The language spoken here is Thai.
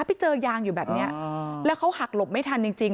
ไปเจอยางอยู่แบบนี้แล้วเขาหักหลบไม่ทันจริงจริง